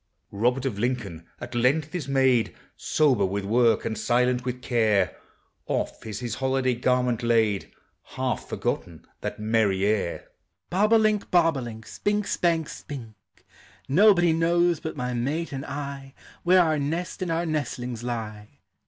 Robert of Lincoln at length is made Sober with work, and silent with care; Off is his holiday garment laid, Half forgotten that merry air, Bob o' link, bob o' link, Spink, spank, spink; Nobody knows but my mate and I Where our nest and our nestlings lie.